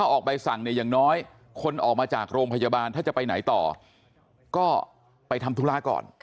ออกใบสั่งเนี่ยอย่างน้อยคนออกมาจากโรงพยาบาลถ้าจะไปไหนต่อก็ไปทำธุระก่อน